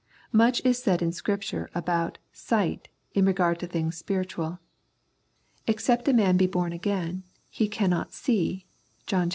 Much is said in Scripture about sight in regard to things spiritual. " Except a man be born again, he cannot see " (John iii.